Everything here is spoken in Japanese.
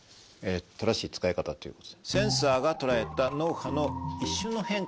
正しい使い方という事で。